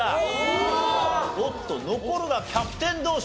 おっと残るはキャプテン同士と。